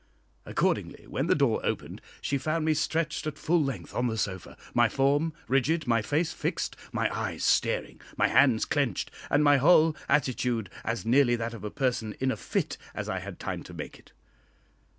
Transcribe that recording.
Accordingly, when the door opened, she found me stretched at full length on the sofa, my form rigid, my face fixed, my eyes staring, my hands clenched, and my whole attitude as nearly that of a person in a fit as I had time to make it.